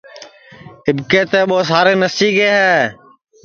اِٻکے تو ٻو سارے نسیگے ہے